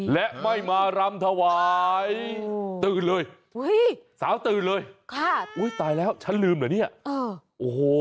และไม่มารำถวายตื่นเลยสาวตื่นเลยค่ะอุ้ยตายแล้วฉันลืมเหรอเนี่ยโอ้โห